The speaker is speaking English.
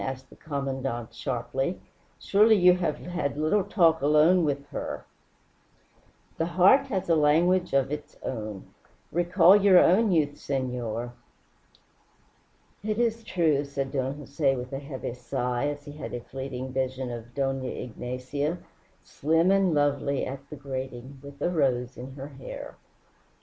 asked the Commandante sharply. "Surely you have had little talk alone with her?" "The heart has a language of its own. Recall your own youth, senor." "It is true," said Don Jose, with a heavy sigh, as he had a fleeting vision of Dona Ignacia, slim and lovely, at the grating, with a rose in her hair.